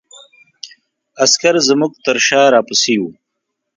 عسکر زموږ تر شا را پسې وو.